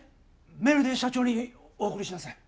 メールで社長にお送りしなさい。